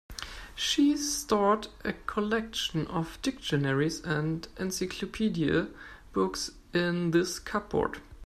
She stored a collection of dictionaries and encyclopedia books in this cupboard.